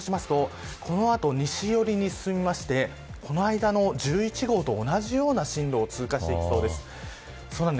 そうしますとこの後、西寄りに進みましてこの間の１１号と同じような進路を通過していきそうです。